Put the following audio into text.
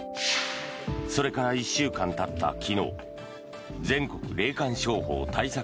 それから１週間たった昨日全国霊感商法対策